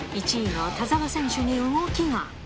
１位の田澤選手に動きが。